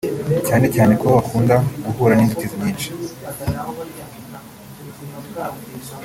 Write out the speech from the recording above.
cyane cyane ko bakunda guhura n’inzitizi nyinshi